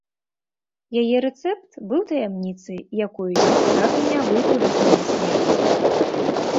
Яе рэцэпт быў таямніцай, якую ён так і не выдаў да самай смерці.